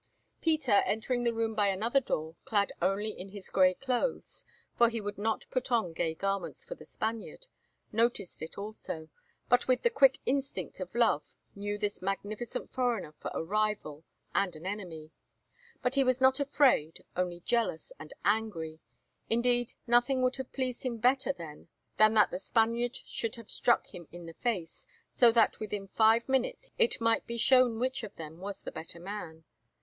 Peter, entering the room by another door, clad only in his grey clothes, for he would not put on gay garments for the Spaniard, noted it also, and with the quick instinct of love knew this magnificent foreigner for a rival and an enemy. But he was not afraid, only jealous and angry. Indeed, nothing would have pleased him better then than that the Spaniard should have struck him in the face, so that within five minutes it might be shown which of them was the better man.